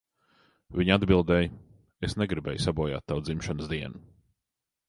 Viņa atbildēja, "Es negribēju sabojāt tavu dzimšanas dienu."